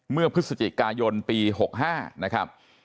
เมื่อพฤศจิกายนปี๖๕นะครับ